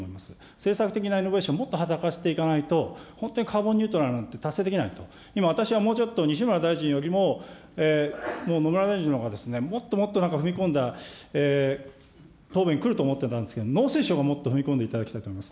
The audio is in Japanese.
政策的なイノベーションをもっと働かせていかないと、本当にカーボンニュートラルなんて達成できないと、今、私はもうちょっと西村大臣よりも、もう野村大臣のほうがもっともっと踏み込んだ答弁、来ると思っていたんですけど、農水省がもっと踏み込んでいただきたいと思います。